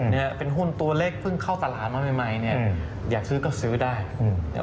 แต่ถ้าเป็นหุ้นตัวเล็กเพิ่งเข้าตลาดมาใหม่เนี่ยอยากซื้อก็ซื้อได้